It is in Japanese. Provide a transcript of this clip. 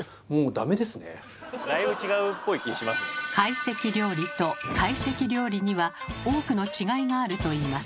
懐石料理と会席料理には多くの違いがあるといいます。